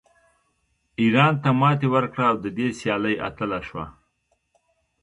ایران ته ماتې ورکړه او د دې سیالۍ اتله شوه